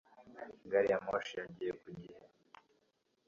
Gari ya moshi yagiye ku gihe